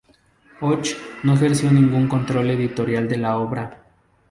Ochs no ejerció ningún control editorial de la obra.